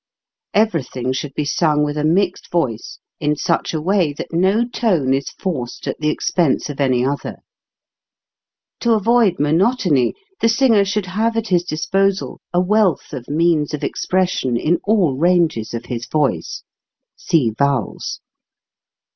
Everything should be sung with a mixed voice in such a way that no tone is forced at the expense of any other. To avoid monotony the singer should have at his disposal a wealth of means of expression in all ranges of his voice. (See Vowels.)